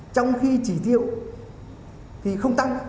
trong khi chỉ thiệu thì không tăng